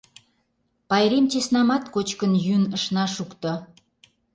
— Пайрем чеснамат кочкын-йӱын ышна шукто.